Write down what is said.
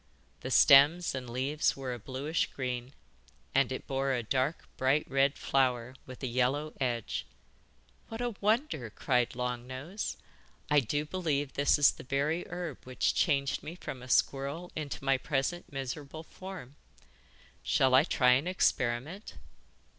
The stems and leaves were a bluish green, and it bore a dark, bright red flower with a yellow edge. 'What a wonder!' cried Long Nose. 'I do believe this is the very herb which changed me from a squirrel into my present miserable form. Shall I try an experiment?